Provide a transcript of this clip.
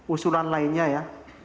usulan lainnya ya